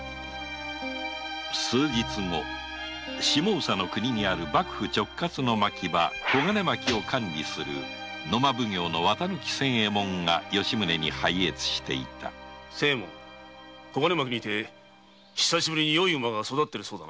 数日後下総の国にある幕府直轄の牧場小金牧を管理する野馬奉行の綿貫仙右衛門が吉宗に拝謁していた仙右衛門小金牧にて良い馬が育っているそうだな。